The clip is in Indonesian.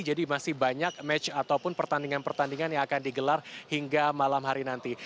jadi masih banyak match ataupun pertandingan pertandingan yang akan digelar hingga malam hari nanti